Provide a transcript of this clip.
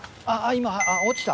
今落ちた？